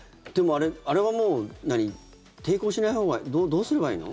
あれはもう、抵抗しないほうがどうすればいいの？